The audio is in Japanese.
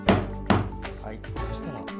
はいそしたら。